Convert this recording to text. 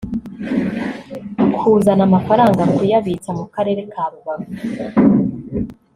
kuzana amafaranga kuyabitsa mu karere ka Rubavu